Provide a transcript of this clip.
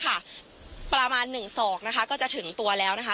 ประมาณหนึ่งศอกนะคะก็จะถึงตัวแล้วนะคะ